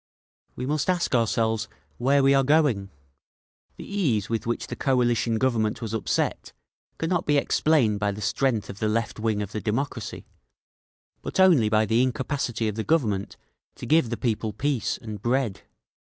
"We must ask ourselves where we are going…. The ease with which the Coalition Government was upset cannot be explained by the strength of the left wing of the democracy, but only by the incapacity of the Government to give the people peace and bread.